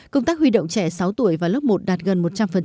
công tác huy động trẻ sáu tuổi và lớp một đạt gần một trăm linh